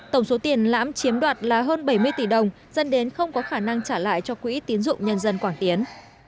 tổng số tiền lãm chiếm đoạt là hơn bảy mươi tỷ đồng dân đến không có khả năng trả lại cho quỹ tiến dụng nhân dân quảng tiến